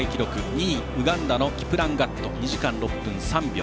２位、ウガンダのキプランガット２時間６分３秒。